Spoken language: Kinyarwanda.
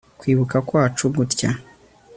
Kwibuka kwacu gutya